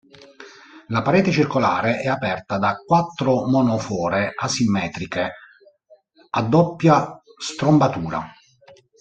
La parete circolare è aperta da quattro monofore asimmetriche a doppia strombatura.